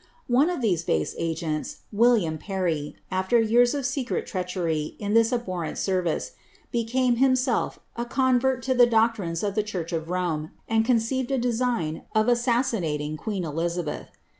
One of these base agents, William Parry, after years of secret ireacherr in this abhorrent service, became himself a convert lo the doctrines of • the church of Rome, and conceived a design of assassinating queea Elizabeth.